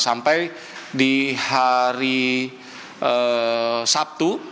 sampai di hari sabtu